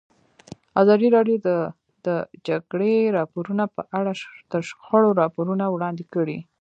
ازادي راډیو د د جګړې راپورونه په اړه د شخړو راپورونه وړاندې کړي.